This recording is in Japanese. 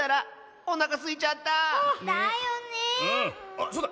あっそうだ。